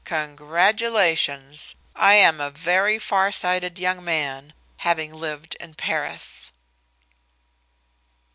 "Congratulations. I am a very farsighted young man, having lived in Paris."